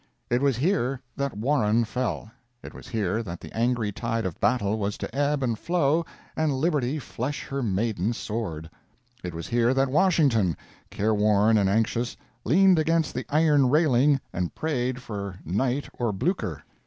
It was here that Warren fell. It was here that the angry tide of battle was to ebb and flow, and liberty flesh her maiden sword. It was here that Washington, careworn and anxious, leaned against the iron railing and prayed for night or Blucher.